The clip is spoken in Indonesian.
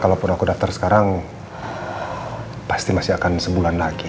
kalaupun aku daftar sekarang pasti masih akan sebulan lagi